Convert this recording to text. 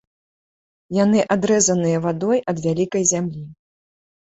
Яны адрэзаныя вадой ад вялікай зямлі.